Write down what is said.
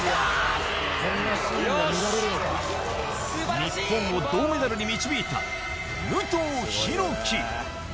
日本を銅メダルに導いた武藤弘樹。